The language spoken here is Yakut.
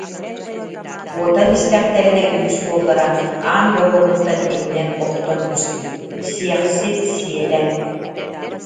Куотан истэхтэринэ, үһүс уоллара аан боруогуттан иҥнэн охтон түспүт: «Сиэхсит сиэтэ